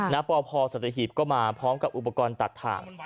นักป่อพอร์สัตว์หีบก็มาพร้อมกับอุปกรณ์ตัดถ่าง